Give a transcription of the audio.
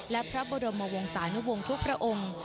และพระบรมวงศานุวงศ์ทุกพระองค์